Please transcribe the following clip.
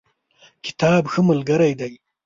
کتاب ښه ملګری دی